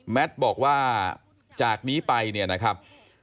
บอกว่าจากนี้ไปเนี่ยนะครับ